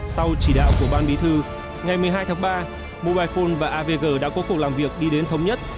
sau chỉ đạo của ban bí thư ngày một mươi hai tháng ba mobile phone và avg đã có cuộc làm việc đi đến thống nhất